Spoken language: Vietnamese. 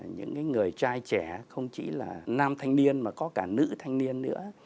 những người trai trẻ không chỉ là nam thanh niên mà có cả nữ thanh niên nữa